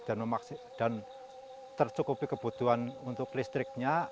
dan memaksa dan tersukupi kebutuhan untuk listriknya